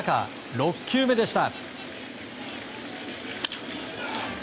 ６球目でした。